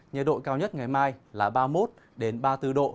nhiệt độ cao nhất ngày mai là ba mươi một ba mươi bốn độ